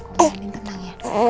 kamu tenang ya